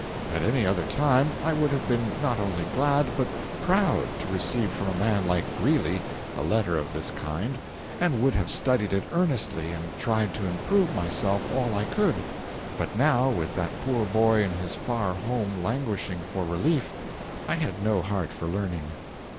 At any other time I would have been not only glad, but proud, to receive from a man like Mr. Greeley a letter of this kind, and would have studied it earnestly and tried to improve myself all I could; but now, with that poor boy in his far home languishing for relief, I had no heart for learning.